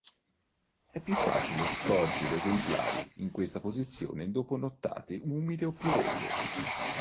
È più facile scorgere esemplari in questa posizione dopo nottate umide o piovose.